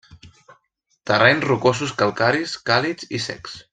Terrenys rocosos calcaris, càlids i secs.